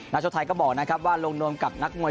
ชกไทยก็บอกนะครับว่าลงนวมกับนักมวย